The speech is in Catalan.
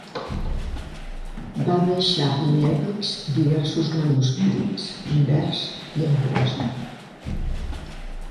Va deixar inèdits diversos manuscrits en vers i en prosa.